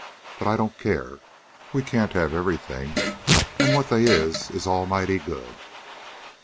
But I don't care. We can't have everything, an' what they is is almighty good."